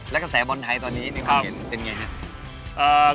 แล้วกระแสบอลไทยตอนนี้เป็นยังไง